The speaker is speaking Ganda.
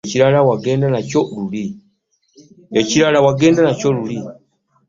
Ekirala wagenda nakyo luli.